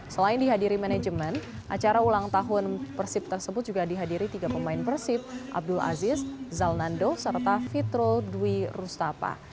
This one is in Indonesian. selain dihadiri manajemen acara ulang tahun persib tersebut juga dihadiri tiga pemain persib abdul aziz zalnando serta fitro dwi rustapa